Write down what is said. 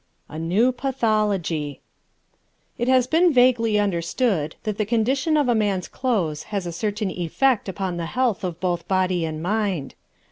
A New Pathology It has long been vaguely understood that the condition of a man's clothes has a certain effect upon the health of both body and mind.